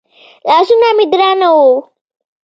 لاسونه مې درانه وو.